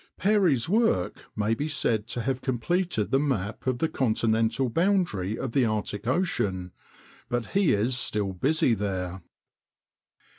Peary's work may be said to have completed the map of the continental boundary of the Arctic Ocean, but he is still busy there.